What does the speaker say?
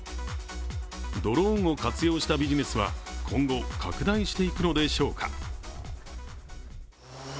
ドローンを活用したビジネスは今後拡大していくのでしょうか。